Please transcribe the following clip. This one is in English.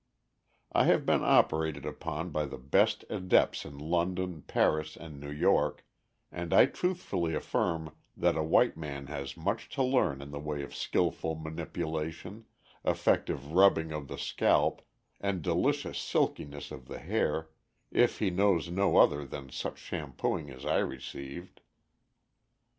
I have been operated upon by the best adepts in London, Paris, and New York, and I truthfully affirm that a white man has much to learn in the way of skillful manipulation, effective rubbing of the scalp, and delicious silkiness of the hair, if he knows no other than such shampooing as I received.